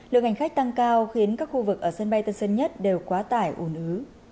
lượng hành khách tăng cao khiến các khu vực ở sân bay tân sơn nhất đều quá tải ổn ứ